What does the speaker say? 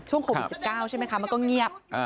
โควิด๑๙ใช่ไหมคะมันก็เงียบ